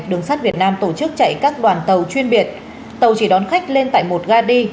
đường sắt việt nam tổ chức chạy các đoàn tàu chuyên biệt tàu chỉ đón khách lên tại một ga đi